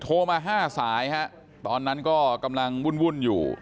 โทรมา๕สายฮะตอนนั้นก็กำลังวุ่นอยู่